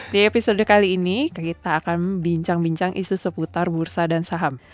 di episode kali ini kita akan bincang bincang isu seputar bursa dan saham